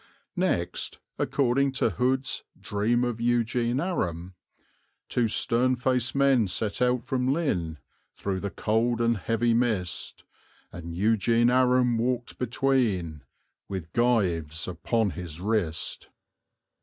Next, according to Hood's Dream of Eugene Aram Two stern faced men set out from Lynn, Through the cold and heavy mist, And Eugene Aram walked between, With gyves upon his wrist.